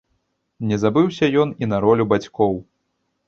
Не забыўся ён і на ролю бацькоў.